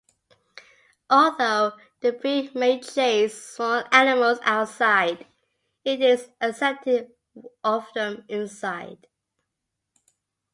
Although the breed may chase small animals outside, it is accepting of them inside.